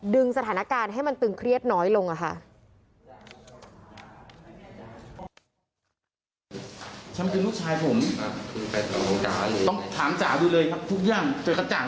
สถานการณ์ให้มันตึงเครียดน้อยลงค่ะ